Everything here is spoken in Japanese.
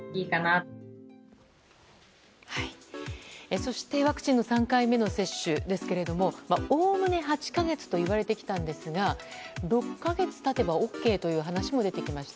そして、ワクチンの３回目の接種ですけれどもおおむね８か月といわれてきたんですが６か月経てばＯＫという話も出てきました。